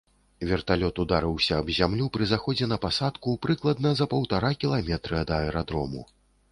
Верталёт ударыўся аб зямлю пры заходзе на пасадку прыкладна за паўтара кіламетры ад аэрадрому.